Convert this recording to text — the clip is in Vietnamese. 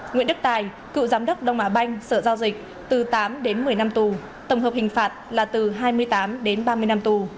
nguyễn đức tài cựu giám đốc đông á banh sở giao dịch từ tám đến một mươi năm tù tổng hợp hình phạt là từ hai mươi tám đến ba mươi năm tù